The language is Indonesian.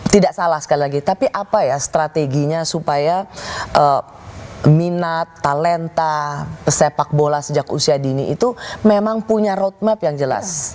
tidak salah sekali lagi tapi apa ya strateginya supaya minat talenta pesepak bola sejak usia dini itu memang punya roadmap yang jelas